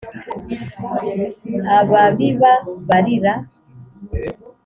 Ababiba barira